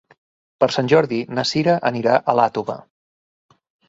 Per Sant Jordi na Cira anirà a Iàtova.